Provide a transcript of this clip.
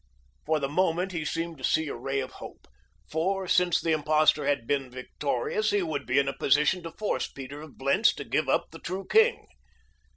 For the moment he seemed to see a ray of hope, for, since the impostor had been victorious, he would be in a position to force Peter of Blentz to give up the true king.